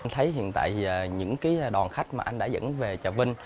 thấy hiện tại những cái đòn khách mà anh đã dẫn về trà vinh